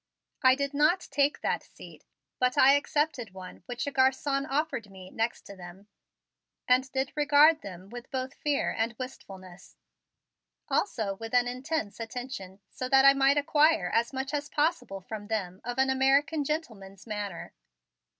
I did not take that seat but I accepted one which a garçon offered me next to them and did regard them with both fear and wistfulness, also with an intense attention so that I might acquire as much as possible from them of an American gentleman's manner.